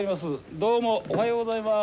どうもおはようございます。